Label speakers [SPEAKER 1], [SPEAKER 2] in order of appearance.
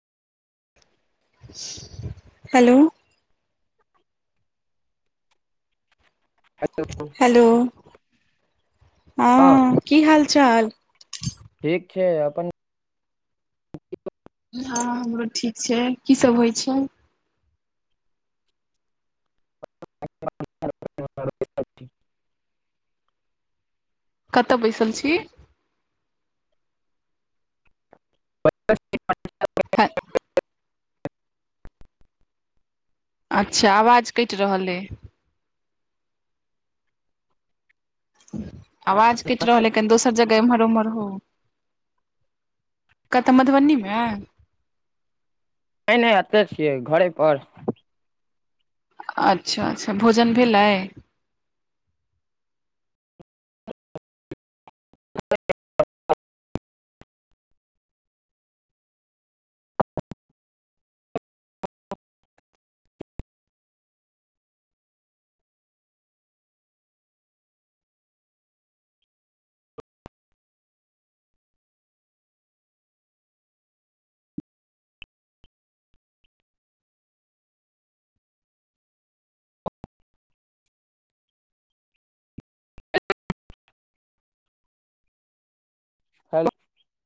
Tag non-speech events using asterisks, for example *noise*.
[SPEAKER 1] Hello.
[SPEAKER 2] Hello
[SPEAKER 1] hello हँ, की हाल चाल?
[SPEAKER 2] ठीक छैय अपन
[SPEAKER 1] हँ हमरो ठीक छैय, की सब होइ छैय?
[SPEAKER 2] नहि
[SPEAKER 1] कतऽ बैसल छी?
[SPEAKER 2] प *unintelligible*
[SPEAKER 1] हाय अच्छा आवाज कैट रहल अइ। आवाज कैट रहलअइ, कनि दोसर जगह एम्हर उम्हर होउ। कतऽ मधबनी मेँ?
[SPEAKER 2] नैय-नैय एतऽ छियै, घऽरे पर।
[SPEAKER 1] अच्छा-अच्छा भोजन भेलैय?
[SPEAKER 2] *unintelligible* हेल्लो